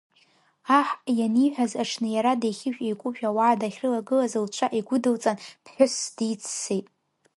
Аҳ ианиҳәаз аҽны иара деихьыжә-еикәыжә ауаа дахьрылагылаз лҵәа игәыдылҵан, ԥҳәысс диццеит.